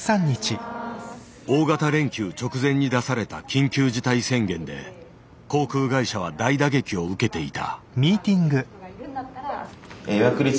大型連休直前に出された緊急事態宣言で航空会社は大打撃を受けていた。